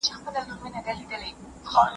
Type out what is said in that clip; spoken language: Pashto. سره، ژوند د ټولو لپاره خوشحال او د منلو وړ کېدای